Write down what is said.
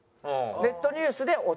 ネットニュースで追って。